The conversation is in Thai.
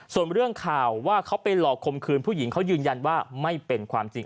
ส่วนเรื่องข่าวว่าเขาไปหลอกคมคืนผู้หญิงเขายืนยันว่าไม่เป็นความจริง